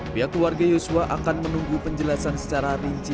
pihak keluarga yosua akan menunggu penjelasan secara rinci